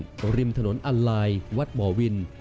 อยู่ริมถนนอัลลายวัดบ่อวิน